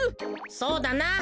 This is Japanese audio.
そうだな。